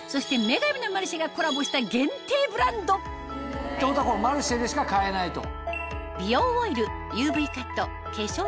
『女神のマルシェ』がコラボした限定ブランドってことは『マルシェ』でしか買えないと。